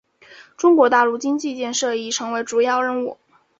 中国大陆经济建设已成为主要任务。